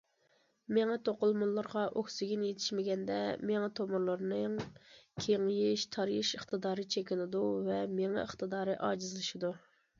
مېڭە توقۇلمىلىرىغا ئوكسىگېن يېتىشمىگەندە، مېڭە تومۇرلىرىنىڭ كېڭىيىش، تارىيىش ئىقتىدارى چېكىنىدۇ ۋە مېڭە ئىقتىدارى ئاجىزلىشىدۇ.